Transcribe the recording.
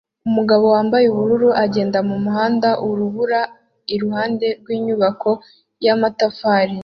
Umugabo wambaye ubururu agenda mumuhanda urubura iruhande rwinyubako yamatafari